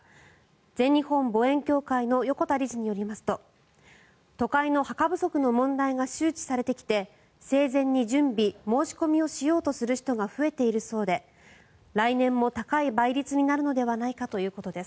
全日本墓園協会の横田理事によりますと都会の墓不足の問題が周知されてきて生前に準備、申し込みをしようとする人が増えているそうで来年も高い倍率になるのではないかということです。